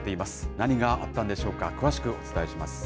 何があったんでしょうか、詳しくお伝えします。